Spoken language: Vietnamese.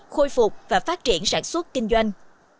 khôi phục và phát triển sản xuất kinh doanh